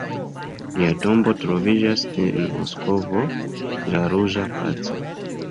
Lia tombo troviĝas en Moskvo, ĉe la Ruĝa Placo.